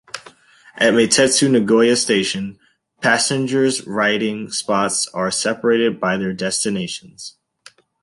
At Meitetsu Nagoya Station, passengers' riding spots are separated by their destinations.